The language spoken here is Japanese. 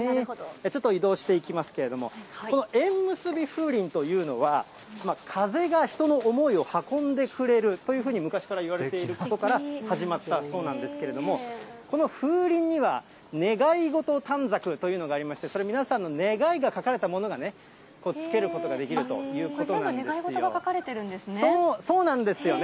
ちょっと移動していきますけれども、この縁むすび風鈴というのは、風が人の思いを運んでくれるというふうに、昔からいわれていることから始まったそうなんですけれども、この風鈴には、願い事短冊というのがありまして、それ、皆さんの願いが書かれたものをつけることができるということなん全部、願い事が書かれているそうなんですよね。